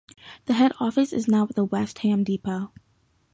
The head office is now at the West Ham depot.